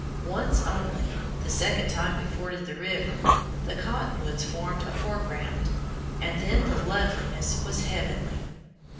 Once only, the second time we forded the river, the cotton woods formed a foreground, and then the loveliness was heavenly.